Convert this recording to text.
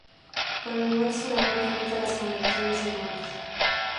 Por el momento solamente imita las conversaciones humanas.